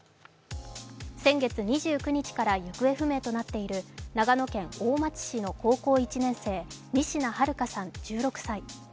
先月２９日から行方不明となっている長野県大町市の高校１年生・仁科日花さん１６歳。